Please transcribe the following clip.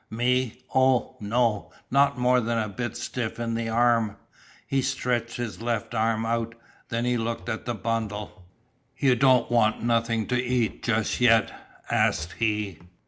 "Me oh, no, not more than a bit stiff in the arm." He stretched his left arm out. Then he looked at the bundle. "You don't want nothing to eat just yet?" asked he.